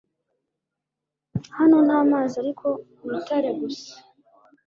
Hano nta mazi ariko urutare gusa